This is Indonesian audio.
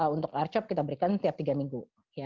untuk larcop kita berikan setiap tiga minggu